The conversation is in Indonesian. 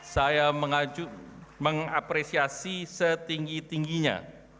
saya mengapresiasi setinggi tingginya